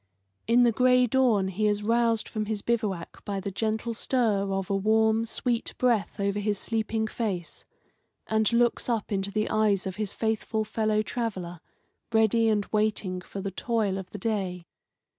In the gray dawn he is roused from his bivouac by the gentle stir of a warm, sweet breath over his sleeping face, and looks up into the eyes of his faithful fellow traveller, ready and waiting for the toil of the day.